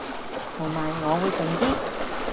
同埋我會靜啲